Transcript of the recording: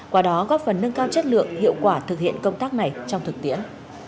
qua đó góp phần nâng cao chất lượng hiệu quả thực hiện công tác này trong thực tiễn